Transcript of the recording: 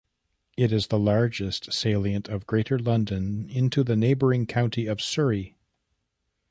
It is the largest salient of Greater London into the neighbouring county of Surrey.